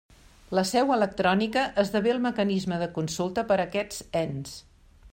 La seu electrònica esdevé el mecanisme de consulta per a aquests ens.